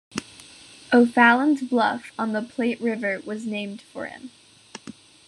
"O'Fallon's Bluff" on the Platte River was named for him.